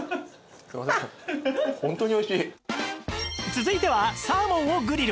続いてはサーモンをグリル